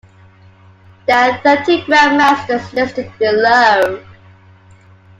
There are thirteen Grand Masters, listed below.